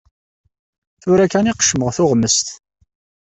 Tura kan i qeccmeɣ tuɣmest.